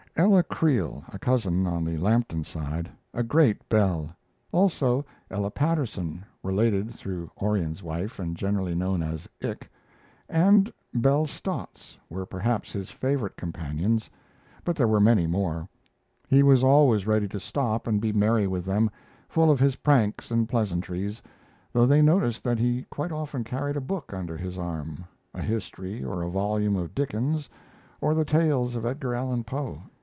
Ella Creel, a cousin on the Lampton side, a great belle; also Ella Patterson (related through Orion's wife and generally known as "Ick"), and Belle Stotts were perhaps his favorite companions, but there were many more. He was always ready to stop and be merry with them, full of his pranks and pleasantries; though they noticed that he quite often carried a book under his arm a history or a volume of Dickens or the tales of Edgar Allan Poe.